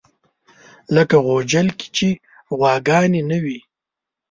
لکه غوجل کې چې غواګانې نه وي.